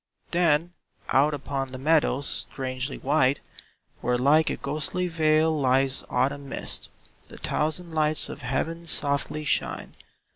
Then out upon the meadows, strangely white, Where like a ghostly veil lies autumn mist. The thousand lights of heaven softly shine.